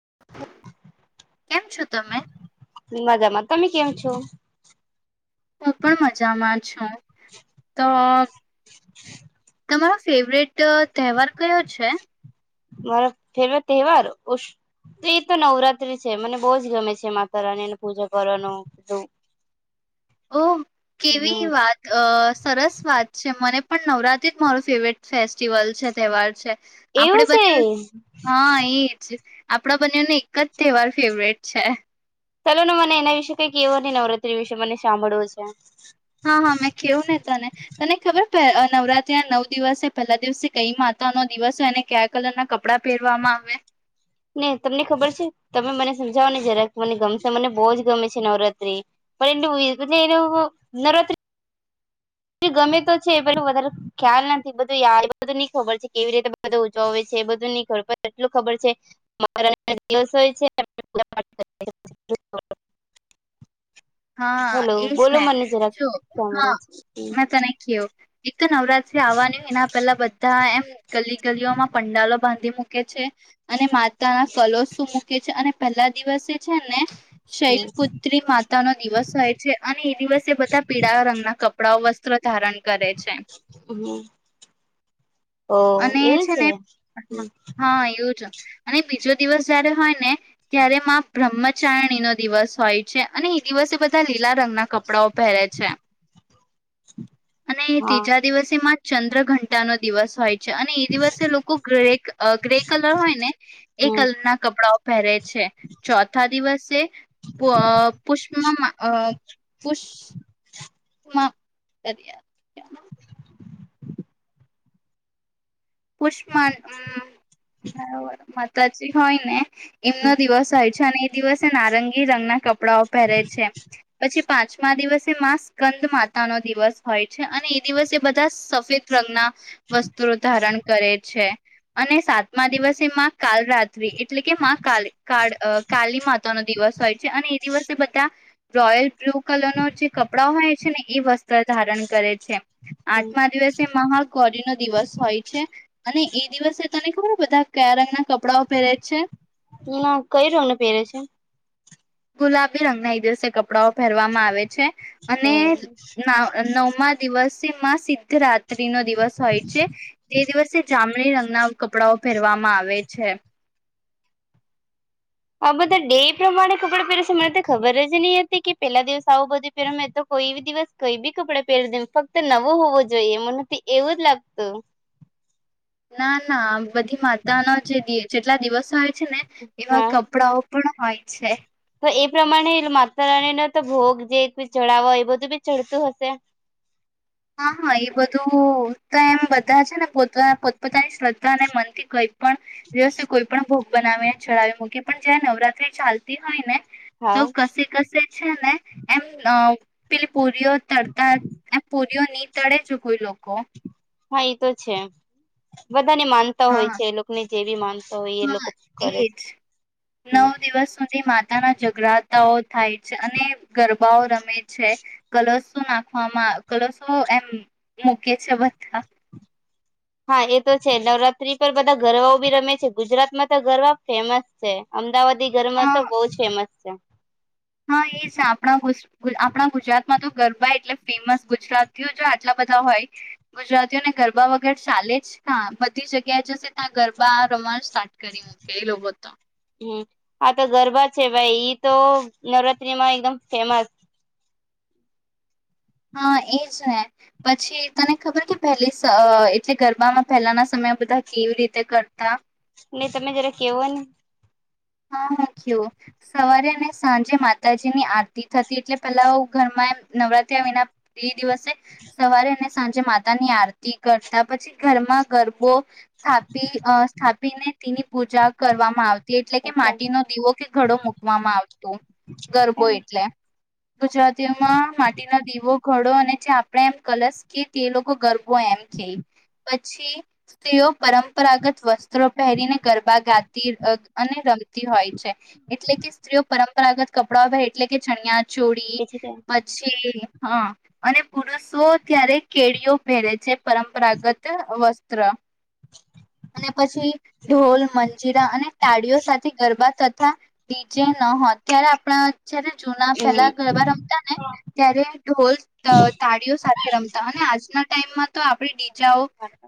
[unintelligible] કેમ છો તમે મજામાં તમે કેવ છો હું પણ મજામાં છું તો [inaudible] તમારો ફેવરેટ તહેવાર કયો છે મારો ફેવરેટ તહેવાર ઉષ તો નવરાત્રી છે મને બહુ જ ગમે છે માતા રાનીને પૂજા કરવાનું બધું ઓ કેવી હમ વાત અ સરસ વાત છે મને પણ નવરાત્રી જ મારો ફેવરેટ ફેસ્ટિવલ છે તહેવાર છે આપડે એવું છે બને હા એજ આપણા બંનેને એક જ તહેવાર ફેવરેટ છે. ચાલો ને મને એના વિશે કઈક કેવો ન નવરાત્રી વિશે મને સાંભળવું છે. હા હા મેં કેવું ને તને તને ખબર નવરાત્રી ના નવ દિવસ પહેલા દિવસે કઈ માતા નો દિવસ હોય એને કયા કલર ના કપડા પહેરવામાં આવે ને તમને ખબર છે તમે મને સમજાવો ને જરાક મને ગમશે મને બહુ જ ગમે છે નવરાત્રી પણ એ એ એનું નવરાત્રી ગમે તો છે પું વધારે ખ્યાલ નથી બધું બધું ન ખબર છે કેવી રીતે બ ઉજજવય છે બધું ન પર એટલું ખબર છે નવરાત્રીના દિવસ હોય છે અને પૂજા પાઠ કરવાની હો છે. હા એજ ને જરાક હા સાંભળે છે મેં તને કહ્યું એક નવરાત્રી આવવાની એના પેલા બધા એમ ગલી ગલીઓમાં પંડાલો બાંધી મૂકી કે છે. અને માતા ના કલર શું મૂકે છે અને પહેલા દિવસે છે ને શૈલ હમ પુત્રી મા નો દિવસ હોય છે અને એ દિવસે બધા પીળા રંગના કપડાઓ વસ્ ધારણ કરે છે હમ ઓ અને એવું છે ને હા એજ અને બીજો દિવસ જયારે હોય ને ત્યારે માં બ્રહ્મચારણી નો દિવસ હોય છે. અને એ દિવસે બધા લ કેટલા રંગના કપડાઓ પહેરે છે અને હા ત્રીજા દિવસેમાં ચંદ્ર ઘંટા નો દિવસ હોય અને એ દિવસે લોકો ગ્રે ગ્રે કલર હોય ને એ હમ કલર ના કપડા પેહરે છે ચોથા દિવસે પુષ્પમ અ પુષ [unintelligible] પુષ્માન હમ તછ હોય ને એમનો દિવસ આ અને એ દિવસે નારંગી રંગના કપડા કપડાઓ પહેરે છે પછી પાંચમા દિવસે મા સ્કંદ માતાનો દિવસ હોય છે અને એ દિવસે એ બધા સફેદ રંગના વસ્તુ ધારણ- છે અને સાતમા દિવસે મા કાલ રાતિ એટલે કે કા કા કાલી માતા નો દિવસ હોય છે અને એ દિવસે બધા રોયલ બ્લુ કલર ન જે કપડાં હોય છે ને એ વસ્તુ ધારણ કરે છે આઠમા દિવસે મહાકૌરી નો દિવસ હોય અને એ દિવસે તને ખબર બધા કયા રંગના કપડાઓ પહેરે છે. એના કય રમને પહેરે છે? ગુલાબી રંગના દિવસે કપડાઓ પહેરવામાં આવે છે. અને નવમાં દિવસ સમા સિ્ધરાથ ત્રી નો દિવસ હોય છે, જે દિવસે જામણી રંગના કપડાઓ પહેરવામાં આવે છે. આ બધા ડે પ્રમાણે કપડં પહેરશ મને તો ખબર જ નહી હતી કે પેલા દિવસ આવું બધું પહેર મેં તો કોઈ દિવસ કોઈ બી કપડા પહેરી દ ફક્ત નવો હોવો જોઈએ એમ નથી એવું જ લાગતું. ના ના. બધી માતાના જે જેટલા દિવસ [inaudible] એવા હા, કપડાઓ પણ હોય છે તો એ પ્રમાણે માતાણીને તો ભોગ જે ચડાવો એ બધું બી ચડતું હશે. હા હા એ બધું તો એમ બધા છે ને પો પોતપોતાની શ્રદ્ધા ને મ [unintelligible] પણ, કોઈ પણ ભોગ બનાવીને ચડાવી મૂકી પણ જયારે નવરાત્રી ચાલતી હોય ને. તો હા કસી કસે છે ને એમ [unintelligible] પુરીઓ તરતા પૂરયો નની તળે છે કોઈ લોકો. હા એતો છે. બધાને માનતા હોય હા, છે એ લોકોને જે બી માનતા હોય એ હા લોકો કરે છે. એજ નવ દિવસ સુધી માતાના જઘરાતાઓ થાય છે અને ગર બાવ રમે છે, કલરું નાખવામાં કલસો એમ મૂકી છે બધા. હા એ તો છે નવરાત્રી પર બધા ગરબઓ બી રમે છે ગુજરાતમાં તો ગરવા ફેમસ છે અમદાવાદ ગી ઘરમાં તો હા બહુ ફેમસ. અચ્ છે. હા એ છે આપણા આપણા ગુજરાતમાં તો ગરબા એટલે ફેમસ ગુજરાત જો આટલા બધા હોય, ગુજરાતીઓને ગરબા વગર ચાલે જ બધી જગ્યા જશે ત્યાં ગરબા રમાણ સ કર્યો હતો એ લોકોએ તો. હમ હા તો ગરબા છે ભાઈ ઈ તો નવરાત્ર્રીમાં એકદમ ફેમસ. હા એજ ને, પછી તને ખબર કે પહેલી એટલે ગરબામાં પહેલાના સમય બધા કેવી રીતે કરતા. ને તમે જરા કેવો ને. હા હું ક સવારે અને સાંજે માતાજીની આરતી થતી એટલે પેલા ઘરમાં નવરાત્ર વિના દિવસે, સવારે ને સાંજે માતાની આરતી કરતા પછી ઘરમાં ગરબો સ્થાપી સ્થાપીને ની પૂજા કરવામાં આવતી એટલે કે માટી ન દીવો કે ઘડો મૂકવામાં આવતો ગરબો એટલે ગુજરાતીમાં માટી નો દીવો ઘડો અને જે આપણે એમ કલશ કે તે લોકો ગરબો એમ કે પછી તેઓ પરંપરાગત વસ્ત્રો પહેરીને ગરબા ગાતી અને રમતી હોય છે એટલે કે સ્ત્રીઓ પરંપરાગત કપડા એટલે કે ચણિયા ચોડી પછી કે પછી હા અને પુરુષો ત્યારે કેળઓ પહેરે છે પરંપરાગત વસ્તુ ત્ર અને પછી ઢોલ મંજીરા અને તાળીઓ સાથે ગરબા ડીજે ન હોત ત્યારે આપણા જયારે જૂના પેલા હમ ગરબા રમતા ને ત્યારે ઢોલ ત તાળીઓ સાથે રમતા અને આજના ટાઈમમાં તો આપણે ડી જા ઓ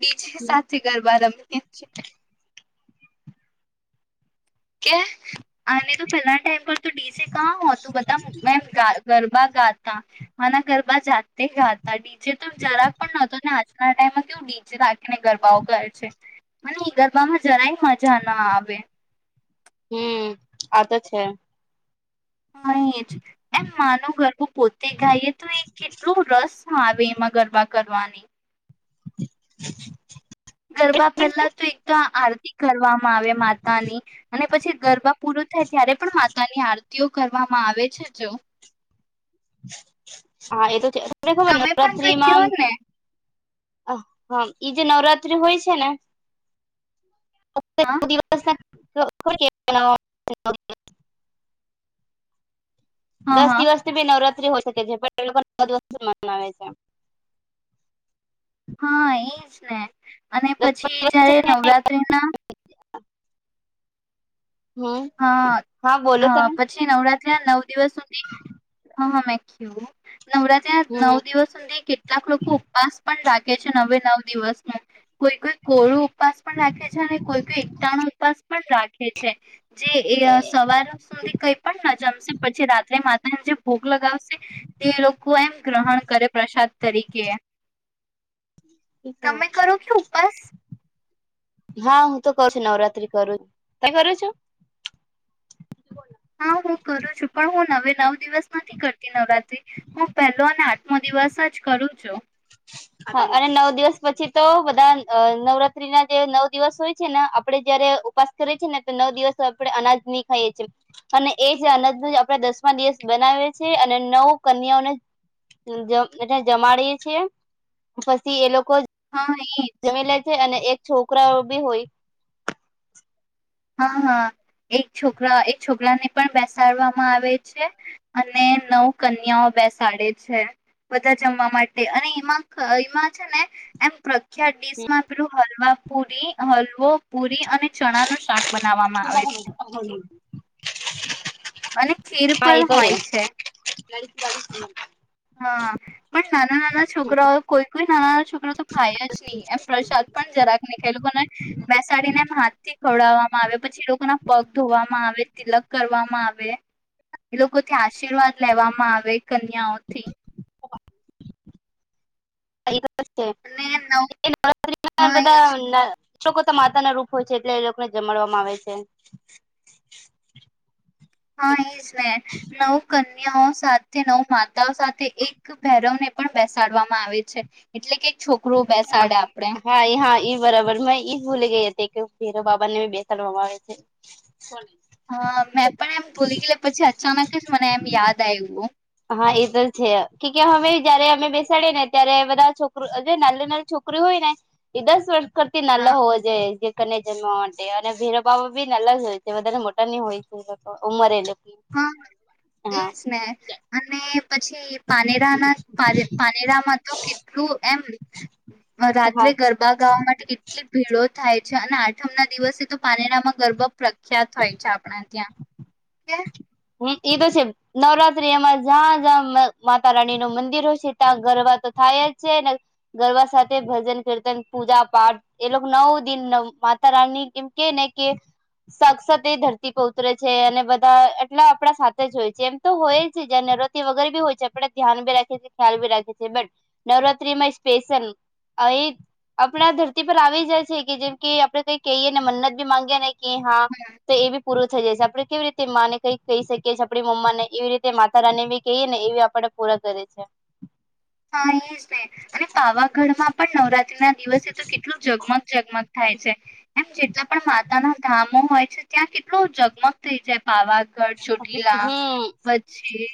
બીજજી સાથે ગરબા રમે તેજ છે કે ક્યા અને તો પહેલા ટાઈમ પર તો ડીસે કા હોતું બધા મો મ ગરબા ગા અને ગરબા જાતે તે ગા તા ડીજે તો જરાક પણ નહોતો ને આજ પણ આ ટાઈમ [unintelligible] અને ગરબાઓ કર છે મને એ ગરબામાં જરાય મજા ના આવે હમ્મ આ તો છે [unintelligible] એમ માનું ગરવું પોતે ગાઈએ તો એ કેટલું રસ આવે એમાં ગરબા કરવાની [inaudible] ગરબા પહેલા તો એક તો આ આરતી કરવામાં આવે માતાની અને પછી ગરબા પૂરો થાય ત્યારે પણ માતા ની આરતી ઓ કરવામાં આવે છે જો હા એ તો છે તને ખબર તમે પણ નવરાત્રી કઈ મા આમ કયો ને અહ હમ્મ ઈ જે નવરાત્રી હોય છે ને હા દિવસ [unintelligible] હા દસ હા દિવસ તો ભી નવરાત હોય સકે છે પણ એ વાત હર વાત થી મનાવે છે. હા એજ ને અને પછી દસ જયારે નવરાત્રી ના હમ હા બોલો હા તમે પછી નવરાત્ર નવરાત્રી ના નવ દિવસ સુધી હા હા મે કેવ નવરાત્રી ના હમ નવ દિવસ સુધી કેટલાક લોકો ઉપવાસ પણ રાખે છે. નવે નવ દિવસ ના કોઈ કોઈ કોરું ઉપવાસ પણ રાખે છે અને કોઈ કોઈ એકતાણો ઉપવાસ પણ રાખે છે. જે એ સવાર સુધી કઈ પણ ન જમશે પછી રાત્રે મા જે ભોગ લગાવશે તે લોકો એમ ગ્રહણ કરે પ્રસાદ તરીકે હમ તમે કરો કે ઉપાસ? હા હું તો કવ છું નવરાત્રી કરું છ તે કરયુ છે. હા હું કરું છું પણ હું નવે નવ દિવસ નથી કરતી નવરાત્રી હું પહેલો અને આઠમો દિવસ જ કરું છું. હા અને નવ દિવસ પછી તો બધા નવરાત્રી ના જે નવ દિવસ હોય છે ને આપડે જયારે ઉપાસ કરીએ છીએ ને તો નવ દિવસ આપણે અનાજ ની ખાઈએ છીએ અને એ જ અનાજ ને આપણેે દસમા દિવસ બનાવીએ છીએ અને નવ કન્યા ને એ જમાડીએ છીએ. પસી એ લોકો હા એજ જમી લે છે અને એક છોકરાઓ બી હોય. હા હા એક છોકરા એક છોકરાને પણ બેસાડવામાં આવે છે અને નવ કન્યાઓ બેસાડે છે. બધા જમવા માટે અને એમાં કયવા છે ને એમ થતું ક્યાંક ડીશ માં પેલું હલવા પુરી હલવો પુરી અને ચણા નું શાક બનાવવામાં આવે છે. અને ખીર હા એ પણ તો હોય છે. [inaudible] હા પણ નાના નાના છોકરાઓ કોઈ કોઈ નાનાના છોકરો તો ખાય જ ની એમ પ્રસાદ પણ જરાક નઈ ખાય એ લોકોને બેસાડીને હાથ થી ખવડાવવામાં આવે પછી લોકોના પગ ધોવામાં આવે, તિલક કરવામાં આવે એ લોકો થી આશીર્વાદ લેવામાં આવે કન્યાઓ થી [inaudible] એજ અને નવ તો [unintelligible] હા એજ બધા છોકરો તો માતા ના રૂપ હોય છે એટલે એ લોકોને જમાડવામાં આવે છે. હા એ જ ને નવ કન કનયા સાથે નવ માત માતા સાથે એક ભૈરવને પણ બેસાડવામાં આવે છે એટલે કે છોકરું બેસાડે આપણે હા એ હા ઈ બરાબર મેં ઈજ ભૂલી ગઈ હતી કે બાબાને બેસાડવામાં આવે છે. હા મેં પણ એમ ભૂલી ગેલી પછી અચાનક જ મને એમ યાદ આવ્યું. હા એ તો છે કે કે હવે જયારે અમે બેસાડીએ ને ત્યારે બધા છોકરુ તે નાહલી નાહલી છોકરી હોયને એ દસ વર્ષ કરતી હા નાહલા હોવા જોઈએ કરને જમવા માટે અને ભૈરવ બાબા બી નાનલા જ હોય છે તે બધા મોટા ની હોય છે ઉમર એ લોક હા એજ ને અને પછી પાનેરાના પાને પાનેરામાં તો કેટલું એમ રાત્રે હા ગરબા ગાવા માટે કેટલી ભીડો થાય. અચ્છા ના આઠમના દિવસે તો પારનેરામાં ગરબા પ્રખ્યાત હોય છે આપણા ત્યાં. કે હુમ્મ એ તો છે નવરાત્રી એમાં જ્યાં જ્યાં મ માતા રાણી નું મંદિર હશે ત્યાં ગરબા તો થાય જ છે ને ગરબા સાથે ભજન, કીર્તન, પૂજાપાઠ એ લોકો નવ દિન માતા રાણી કેમ કે ને કે સાક્ષાત એ ધરતી પર ઉતરે છે અને બધા ને એટલા આપણા સાથે જ હોય છે એમ તો હોય છે જ્યાં નવરાત્રી વગેર બી હોય છે આપણે ધ્યાન બી રાખીએ છે ખ્યાલ બી રાખીએ છે બટ નવરાત્રીમાં સ્પેશિયલ આવી આપણા ધરતી પર આવી જાય છે કે જેમ કે આપણે કઈ કેયે ને મન્નત બી માંગીએ ને કે હા તો એ બી પૂરું થઈ જાય છે આપણે કેવી રીતે માને કઈ કહી શકીએ છે આપડી મમ્માને એવી રીતે માતા રાની બી કહીએ ને એ બી આપડા પૂરા કરે છે. હા એ જ ને અને પાવાગઢમાં પણ નવરાત્રી ના દિવસે તો કેટલું જગમગ જગમગ થાય છે એમ જેટલા પણ માતાના ધામો હોય છે ત્યાં કેટલું જગમગ થઈ જાય પાવા ગઢ ચોટીલા હમ પછી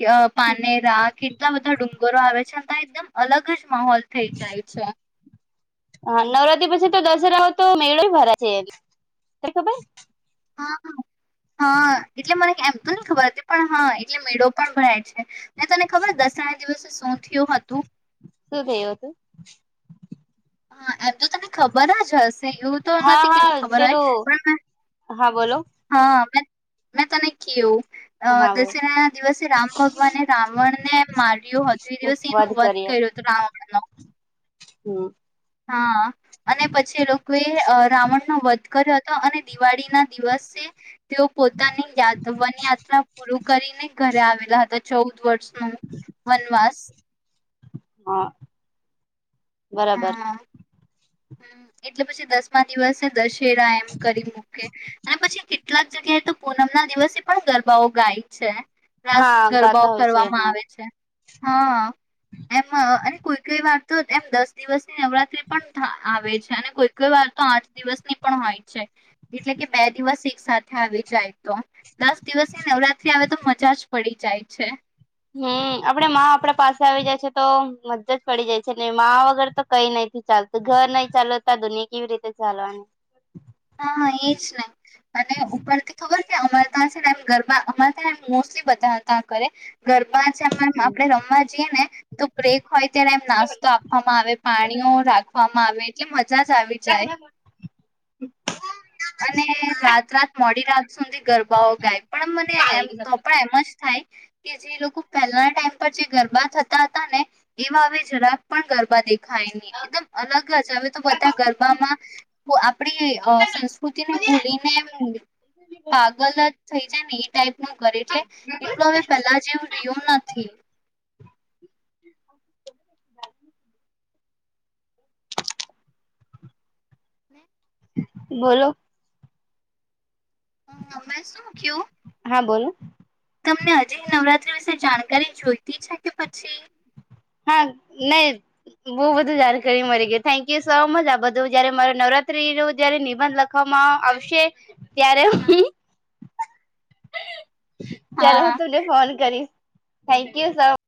કયા પારનેરા કેટલા બધા ડુંગ વારો આવે છે અને તો એકદમ અલગ જ માહોલ થઈ જાય છે હ નવરાત્રી પછી તો દશેહાનો તો મેળો ભરાય છે તને ખબર? હા હા. હા એટલે મને એમ તો નહીં ખબર હતી પણ હા એ મેળો પણ ભરાય છે. તને ખબર દસમના દિવસે શું થયું હતું? શું થયું હતું હા એમ તો તને ખબર જ હશે એવું તો હા નથી કે હા નઈ ખબર હોય પેલું પણ મેં હા બોલો હા મેં મેં તને કેવું અ હા દશેરાના દિવસે રામ ભગવાને રાવણ ને માર્યો હતો એ દિવસે એનું વધ કર્યો હતું રાવણનો. હમ હા અને પછી એ લોકોએ રાવણનો વધ કર્યો હ તો અને દિવાળીના દિવસ તે તેઓ પોતાની યાત વન યાત્રા પૂરું કરીને ઘરે આવેલા હતા ચૌદ વર્ષ હ, વનવાસ હા. હા બરાબર હા. હ, એટલે પછી દસમા દિવસે દશ તેરા એમ કરી મૂકે એમ પછી કેટ ટલાક જગ્યાએ તો પૂનમના દિવસે પણ ગરબાઓ ગાય છે. રાસ હા ગરબાઓ ગાતા હોય છે કરવામાં હા આવે છે. હા, એમ અ અને કોઈકે વાત તો એમ દસ દિવસની નવરાત્રી પન આવે છે, અને કોઈક વાર તો આઠ દિવસની પણ હોય છે, એટલે કે બે દિવસ એક સાથે આવી જાય તો દસ દિવસની નવરાત્રી આવે તો મજા જ પડી જાય છે. હમ, આપડે માં આપડે પાસે આવી જાય છે તો મજ્જા જ પડી જાય છે ને માં વગર તો કઈ નહીં થી ચાલતું ઘર નહી ચાલતા દુનિયા કેવી રીતે ચાલવાનું. હા, એજ ને અને ઉપરથી ખબર તે અમાર તા છેને આમ ગરબા અમાર તા મોસ્ટલી બધા તા કરે. ગરબા છે અમાર આપડે રમવા જઈએ ને તો બ્રેક હોય ત્યારે એમ નાસ્તો આપવામાં આવે પાણીઓ રાખ ખવામાં આવે એટલે મજ જા જ આવી જાય. હમ. અને રાત રાત મોડી રાત સુધી ગરબાઓ ગાય પણ મને એમ તો પણ એમ જ થાય કે જે લોકો પહેલા ટાઈમ પર જે ગરબા થતા હતા ને એવા હવે જરાક પણ ગરબા દેખ ખાય ને એકદમ અલગ જ હવે તો બધા ગરબામાં તો આપણે અ પુતિને ભૂલીને પાગલ જ થઈ છેને એ ટાઈમ હુ કરે એટલે એટલું, હવે પેલા જેવું રિહ્યું નથી. હને. બોલો. હમ, અમે શું ક્યો? હા, બોલન. તમને હજી નવરાત્રી વિશે જાણકારી જોઈતી છે કે પછી? હા, નહીં. બહુ બધુ જાણકારી મળી ગઈ. Thank you so much. આ બધું જયારે મારે નવરાત્રી નું જયારે નિબંધ લખવામાં આવશે ત્યારે હુખ ત્યારે હા હું તને ફોન કરીશ. Thank you sir.